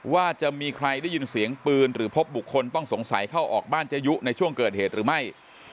ว่าจะมีใครได้ยินเสียงปืนหรือพบบุคคลต้องสงสัยเข้าออกบ้านเจยุในช่วงเกิดเหตุหรือไม่